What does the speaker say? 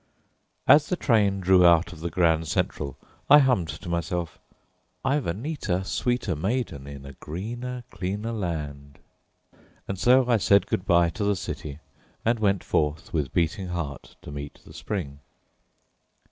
As the train drew out of the Grand Central, I hummed to myself, "I've a neater, sweeter maiden, in a greener, cleaner land" and so I said good by to the city, and went forth with beating heart to meet the spring.